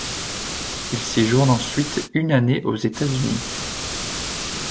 Il séjourne ensuite une année aux États-Unis.